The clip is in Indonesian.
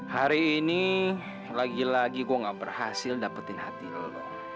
hari ini lagi lagi gue gak berhasil dapetin hati lo